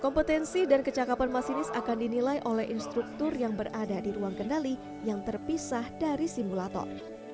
kompetensi dan kecakapan masinis akan dinilai oleh instruktur yang berada di ruang kendali yang terpisah dari simulator